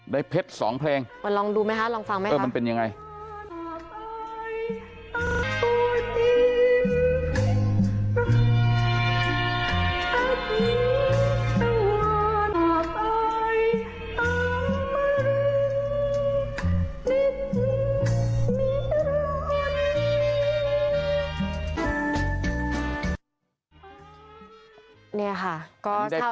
ได้เพชร๒เพลงเออมันเป็นยังไงมันลองดูมั้ยครับลองฟังมั้ยครับ